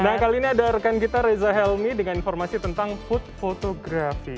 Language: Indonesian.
nah kali ini ada rekan kita reza helmi dengan informasi tentang food fotografi